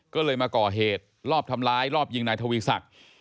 ก็เลยมาก่อเหตุรอบทำร้ายรอบยิงนายทวีศักดิ์